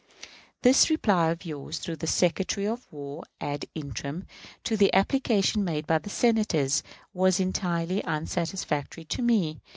This reply of yours through the Secretary of War ad interim to the application made by the Senators, was entirely unsatisfactory to me.